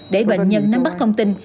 để bệnh nhân nắm bắt thông tin